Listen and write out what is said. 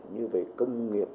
như về công nghiệp